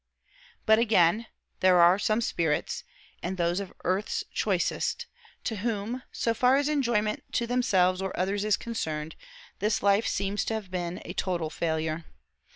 But again: there are some spirits (and those of earth's choicest) to whom, so far as enjoyment to themselves or others is concerned, this life seems to have been a total failure.